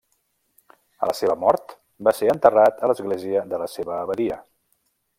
A la seva mort va ser enterrat a l'església de la seva abadia.